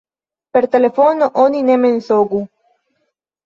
Per telefono oni ne mensogu.